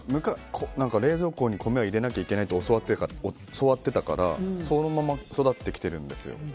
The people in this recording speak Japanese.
冷蔵庫に米を入れなきゃいけないって教わっていたからそのまま育ってきてるんですよ。